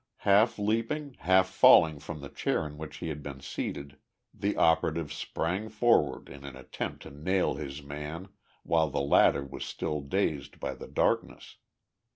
Half leaping, half falling from the chair in which he had been seated, the operative sprang forward in an attempt to nail his man while the latter was still dazed by the darkness.